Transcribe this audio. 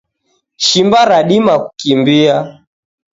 Shimba radima kukimbia.